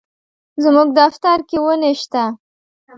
زموږ دفتر کي وني شته.